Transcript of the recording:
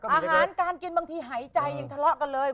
อาหารการกินบางทีหายใจยังทะเลาะกันเลย